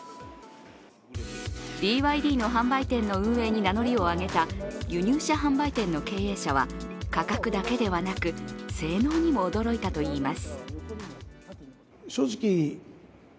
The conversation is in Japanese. ＢＹＤの販売店の運営に名乗りを上げた輸入車販売店の経営者は価格だけではなく、性能にも驚いたといいます。